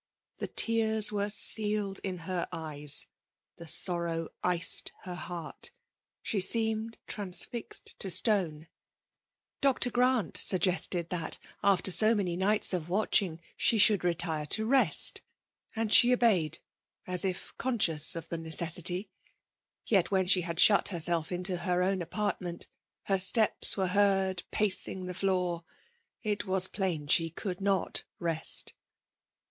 The tesrs were sealed in her^eycs,— the sorrow iced her heart ; ahe aoemed trana^ rnuAhE xmsiiNAiiON. > 1331 fiased to stone; Dr. Grant ftuggestcd 'Umk!;^/ ftfterso many nights of watching sfae^shoBkl' retire to rest; and she obeyed, as if oonspiona: of the neeessity. Yet i^hen she had diut hcr^ B6lf into her own apartment, her steps, were ' heard pacing the floor: it was plain she could not rest.